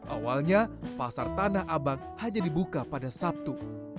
awalnya pasar tanah abang hanya dibuka pada sabtu